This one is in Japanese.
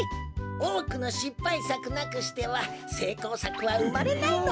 おおくのしっぱいさくなくしてはせいこうさくはうまれないのだ。